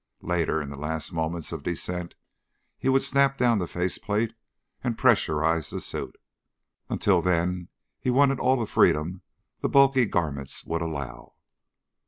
Later, in the last moments of descent, he would snap down the face plate and pressurize the suit. Until then he wanted all the freedom the bulky garments would allow.